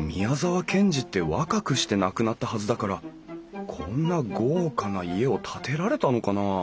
宮沢賢治って若くして亡くなったはずだからこんな豪華な家を建てられたのかな？